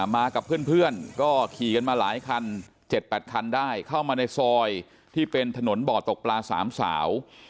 มากับเพื่อนก็ขี่กันมาหลายคัน๗๘คันได้เข้ามาในซอยที่เป็นถนนบ่อตกปลาสามสาว